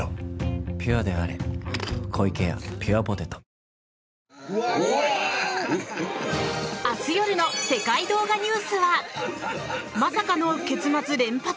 三菱電機明日夜の「世界動画ニュース」はまさかの結末連発！